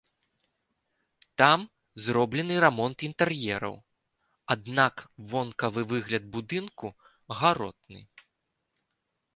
Там зроблены рамонт інтэр'ераў, аднак вонкавы выгляд будынку гаротны.